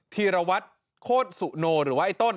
ธีรวัตรโคตรสุโนหรือว่าไอ้ต้น